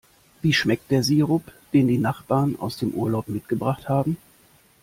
Wie schmeckt der Sirup, den die Nachbarn aus dem Urlaub mitgebracht haben?